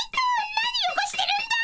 何よごしてるんだ！